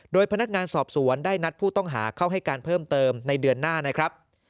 โดยพนักงานสอบสวนได้นัดผู้ต้องหาเข้าให้การเพิ่มเติมในเดือนหน้านะครับ